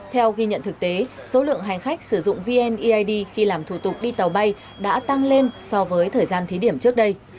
theo ghi nhận thực tế số lượng hành khách sử dụng vneid khi làm thủ tục đi tàu bay đã tăng lên so với thời gian thí điểm trước đây